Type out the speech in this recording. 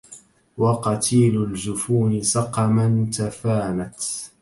وقتيل الجفون سقما تفانت